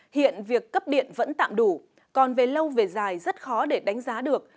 hiện việc cấp điện vẫn tạm đủ còn về lâu về dài rất khó để đánh giá được